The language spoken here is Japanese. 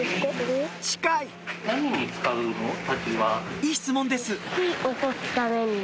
いい質問です